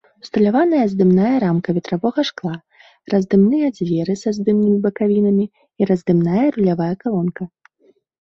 Усталяваная здымная рамка ветравога шкла, раздымныя дзверы са здымнымі бакавінамі і раздымная рулявая калонка.